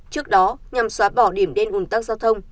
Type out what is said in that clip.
trước đó nhằm xóa bỏ điểm đen ủn tắc giao thông